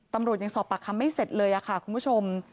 ตำรวจยังสอบปากคำไม่เสร็จเลยค่ะคุณผู้ชม